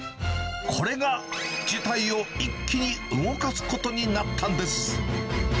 これが事態を一気に動かすことになったんです。